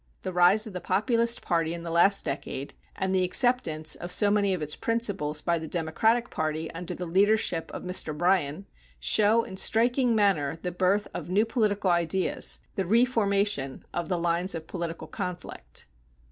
The rise of the Populist party in the last decade, and the acceptance of so many of its principles by the Democratic party under the leadership of Mr. Bryan, show in striking manner the birth of new political ideas, the reformation of the lines of political conflict.